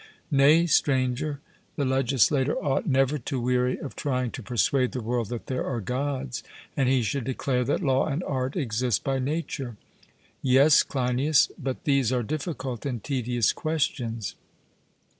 'Nay, Stranger, the legislator ought never to weary of trying to persuade the world that there are Gods; and he should declare that law and art exist by nature.' Yes, Cleinias; but these are difficult and tedious questions.